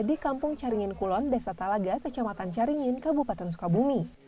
di kampung caringin kulon desa talaga kecamatan caringin kabupaten sukabumi